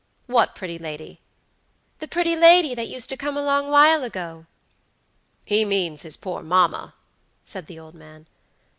"What pretty lady?" "The pretty lady that used to come a long while ago." "He means his poor mamma," said the old man.